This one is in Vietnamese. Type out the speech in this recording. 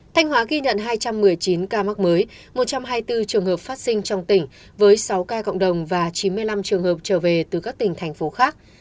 thanh hóa ghi nhận hai trăm một mươi chín ca mắc mới một trăm hai mươi bốn trường hợp phát sinh trong tỉnh với sáu ca cộng đồng và chín mươi năm trường hợp trở về từ các tỉnh thành phố khác